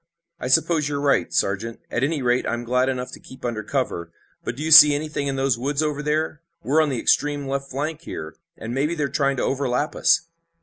"I suppose you're right, Sergeant. At any rate I'm glad enough to keep under cover, but do you see anything in those woods over there? We're on the extreme left flank here, and maybe they're trying to overlap us."